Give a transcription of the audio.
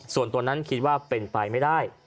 ส่วนตัวนั้นคิดว่าเป็นไปไม่ได้